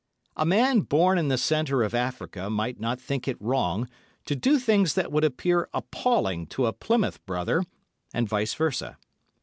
A man born in the centre of Africa might not think it wrong to do things that would appear appalling to a Plymouth Brother, and vice versa.